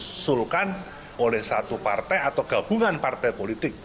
diusulkan oleh satu partai atau gabungan partai politik